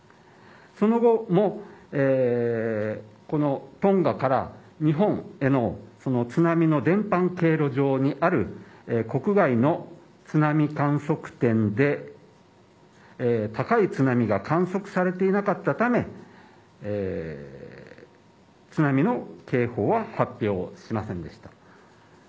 その後もトンガから日本への津波の伝搬経路上にある国内の津波観測点で高い津波が観測されていなかったため津波の警報は発表しませんでした。